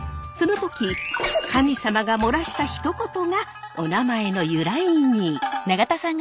その時神様が漏らしたひと言がおなまえの由来に！